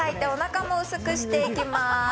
おなかも薄くしていきます。